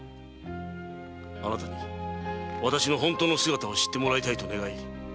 あなたに私の本当の姿を知ってもらいたいと願い